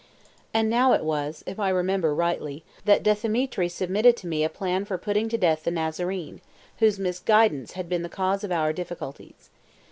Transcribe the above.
And now it was, if I remember rightly, that Dthemetri submitted to me a plan for putting to death the Nazarene, whose misguidance had been the cause of our difficulties.